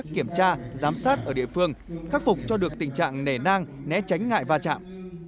kiểm tra giám sát ở địa phương khắc phục cho được tình trạng nề nang né tránh ngại va chạm